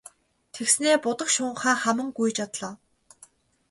Тэгснээ будаг шунхаа хаман гүйж одлоо.